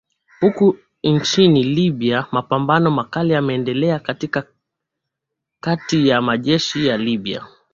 huko nchini libya mapambano makali yameendelea katika kati ya majeshi ya libya